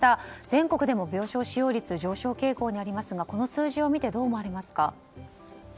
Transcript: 全国でも病床使用率は上昇傾向にありますがこの数字を見てどう思われますか？